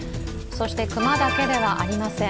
そして、熊だけではありません。